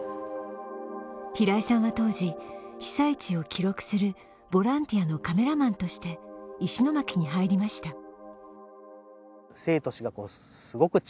平井さんは当時、被災地を記録するボランティアのカメラマンとして石巻に入りました。